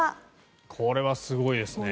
これはすごいですね。